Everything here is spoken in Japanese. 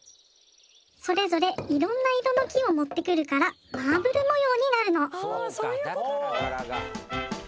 それぞれいろんな色の木を持ってくるからマーブル模様になるのそうかだから柄が。